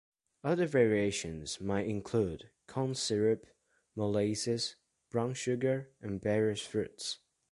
Other variations may include corn syrup, molasses, brown sugar, and various fruits.